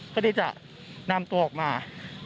เพื่อที่จะนำตัวออกมา